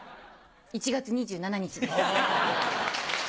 １月２７日です。